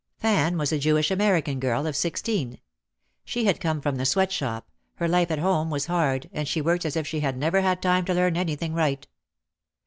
Fan was a Jewish American girl of sixteen. She had come from the sweatshop, her life at home was hard, and she worked as if she had never had time to learn anything right.